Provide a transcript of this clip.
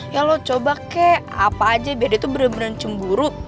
ya lo coba ke apa aja biar dia tuh bener bener cemburu